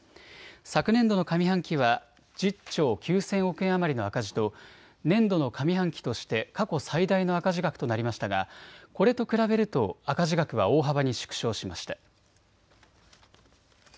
昨年度の上半期は１０兆９０００億円余りの赤字と年度の上半期として過去最大の赤字額となりましたがこれと比べると赤字額は大幅に縮小しました。